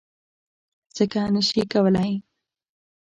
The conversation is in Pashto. څکه نه شي کولی.